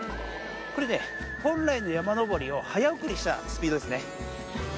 これね、本来の山登りを早送りしたスピードですね。